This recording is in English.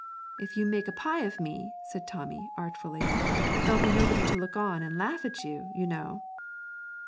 'If you make a pie of me,' said Tommy, artfully, 'there'll be nobody to look on and laugh at you, you know!'